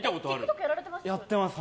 やってます！